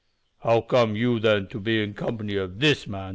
"How come you, then, to be in company with this man?"